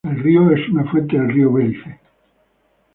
El río es un afluente del río Belice.